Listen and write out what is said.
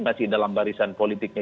masih dalam barisan politiknya